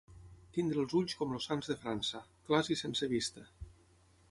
Tenir els ulls com els sants de França: clars i sense vista.